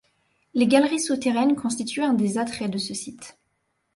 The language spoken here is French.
Les galeries souterraines constituent un des attraits de ce site.